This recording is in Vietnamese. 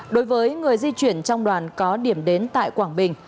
đối với người di chuyển trong đoàn có điểm đến tại quảng bình